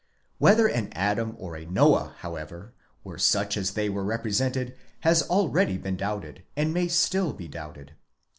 Whether an Adam or a Noah, however, were such as they are represented, has already been doubted, and may still be doubted.